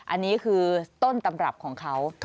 อันนี้คือต้นตำรับของเขา